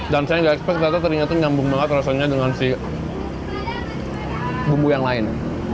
dan saya nggak ekspres ternyata terinya tuh nyambung banget rasanya dengan si bumbu yang lain